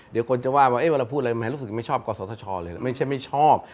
เดี๋ยวคนจะว่าเราพูดอะไรไหมรู้สึกไม่ชอบกศธชเลยไม่ใช่ไม่ชอบ